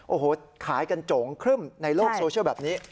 โอ้โหขายกันโจ๋งครึ่มในโลกโซเชียลแบบนี้